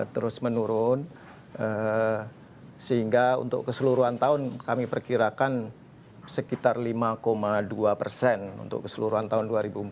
terus menurun sehingga untuk keseluruhan tahun kami perkirakan sekitar lima dua persen untuk keseluruhan tahun dua ribu empat belas